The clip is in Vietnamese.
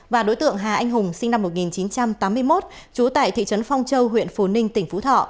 và đối tượng hà anh hùng sinh năm một nghìn chín trăm tám mươi một trú tại thị trấn phong châu huyện phú ninh tỉnh phú thọ